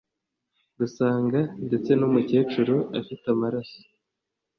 rusanga ndetse n'umukecuru afite amaraso